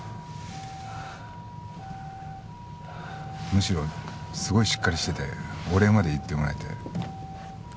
むしろすごいしっかりしててお礼まで言ってもらえて。